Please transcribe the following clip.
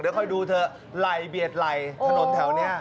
เดี๋ยวค่อยดูเถอะไหล่เบียดไหล่ถนนแถวนี้